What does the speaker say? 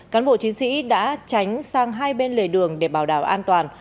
cán bộ chiến sĩ đã tránh sang hai bên lề đường để bảo đảm an toàn